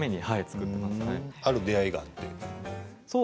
ある出会いがあって。